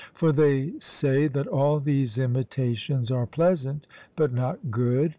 For they say that all these imitations are pleasant, but not good.